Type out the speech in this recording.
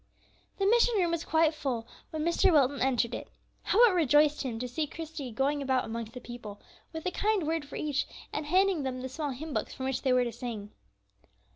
The mission room was quite full when Mr. Wilton entered it. How it rejoiced him to see Christie going about amongst the people, with a kind word for each, and handing them the small hymn books from which they were to sing!